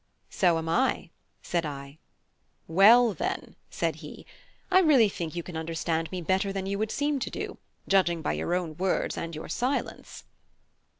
"So am I," said I. "Well, then," said he, "I really think you can understand me better than you would seem to do, judging by your words and your silence."